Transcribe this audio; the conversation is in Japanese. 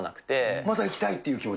まだ行きたいっていう気持ち？